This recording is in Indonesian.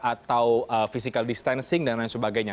atau physical distancing dan lain sebagainya